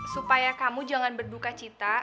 supaya kamu jangan berduka cita